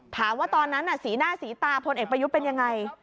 ถามว่าตอนนั้นน่ะสีหน้าสีตาผลเอกประยุทธ์เป็นยังไง